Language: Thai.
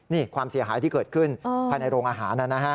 นี่ความเสียหายที่เกิดขึ้นภายในโรงอาหารนะฮะ